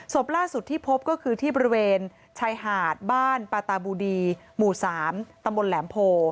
ศพล่าสุดที่พบก็คือที่บริเวณชายหาดบ้านปาตาบูดีหมู่๓ตำบลแหลมโพ